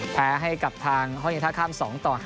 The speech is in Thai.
แพ้ให้กับทางห้องเย็นท่าข้าม๒ต่อ๕